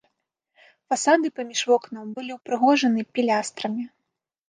Фасады паміж вокнаў былі ўпрыгожаны пілястрамі.